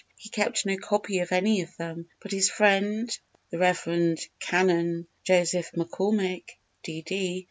He kept no copy of any of them, but his friend the Rev. Canon Joseph McCormick, _D.D.